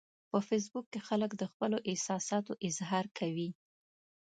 په فېسبوک کې خلک د خپلو احساساتو اظهار کوي